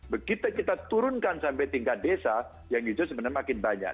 begitu kita turunkan sampai tingkat desa yang hijau sebenarnya makin banyak